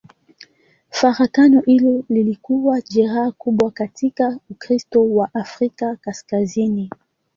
Farakano hilo lilikuwa jeraha kubwa katika Ukristo wa Afrika Kaskazini.